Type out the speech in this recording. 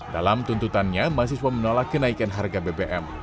dalam tuntutannya mahasiswa menolak kenaikan harga bbm